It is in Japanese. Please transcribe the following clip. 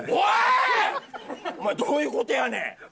お前どういう事やねん。